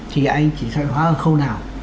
thì anh chỉ sợi hóa ở khâu nào